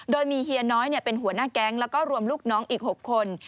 โดยมีเฮียน้อยเป็นหัวหน้าแก๊งแล้วก็รวมลูกน้องอีก๖คน